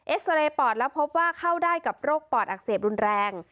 ซาเรย์ปอดแล้วพบว่าเข้าได้กับโรคปอดอักเสบรุนแรง